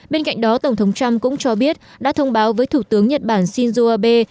bên cạnh đó tổng thống trump cũng cho biết đã thông báo với thủ tướng nhật bản shinzo abe